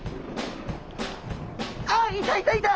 あっいたいたいた！